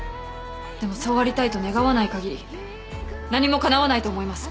でもそうありたいと願わないかぎり何もかなわないと思います。